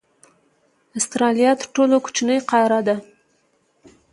استرالیا تر ټولو کوچنۍ قاره ده.